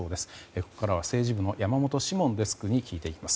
ここからは政治部の山本志門デスクに聞いていきます。